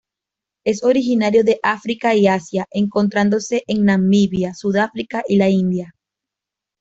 Es originario de África y Asia, encontrándose en Namibia, Sudáfrica y la India.